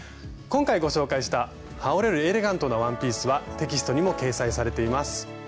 今回ご紹介した「はおれるエレガントなワンピース」はテキストにも掲載されています。